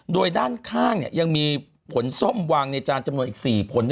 โดยด้านข้างยังมีผลส้มวางในจานจำนวนอีก๔ผล